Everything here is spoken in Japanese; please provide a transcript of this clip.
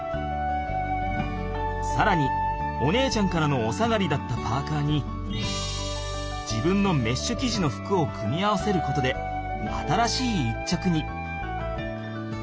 さらにお姉ちゃんからのお下がりだったパーカーに自分のメッシュきじの服を組み合わせることで新しい一着に！